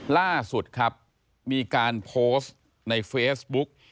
ล่าสุดครับมีการโพสต์ในเฟซบุ๊ก